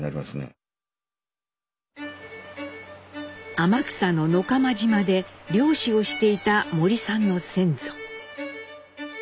天草の野釜島で漁師をしていた森さんの先祖。